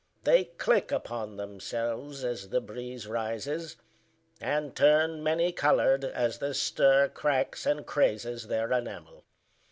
They click upon themselves As the breeze rises, and turn many colored As the stir cracks and crazes their enamel.